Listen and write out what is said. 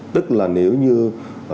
tức là nếu như chúng ta